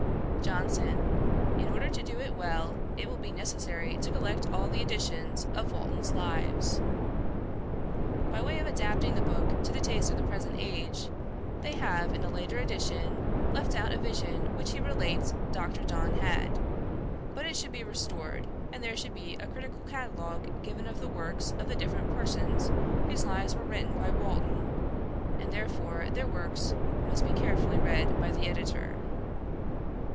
JOHNSON. 'In order to do it well, it will be necessary to collect all the editions of Walton's Lives. By way of adapting the book to the taste of the present age, they have, in a later edition, left out a vision which he relates Dr. Donne had, but it should be restored; and there should be a critical catalogue given of the works of the different persons whose lives were written by Walton, and therefore their works must be carefully read by the editor.'